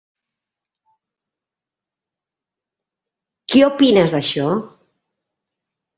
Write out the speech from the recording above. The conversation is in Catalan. Què opines d'això?